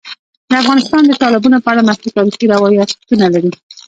افغانستان د تالابونو په اړه مشهور تاریخی روایتونه لري.